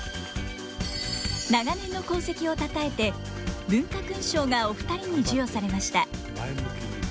長年の功績をたたえて文化勲章がお二人に授与されました。